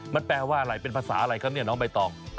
มันแปลว่าอะไรเป็นภาษาอะไรครับเนี่ยน้องใบตอง